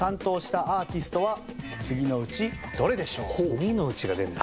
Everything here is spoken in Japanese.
「次のうち」が出るんだ。